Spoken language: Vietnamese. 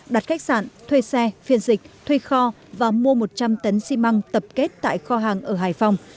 đặt khách sạn thuê xe phiên dịch thuê kho và mua một trăm linh tấn xi măng tập kết tại kho hàng ở hải phòng